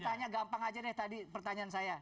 tanya gampang aja deh tadi pertanyaan saya